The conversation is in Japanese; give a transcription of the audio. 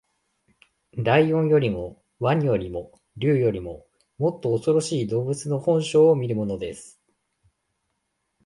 獅子よりも鰐よりも竜よりも、もっとおそろしい動物の本性を見るのです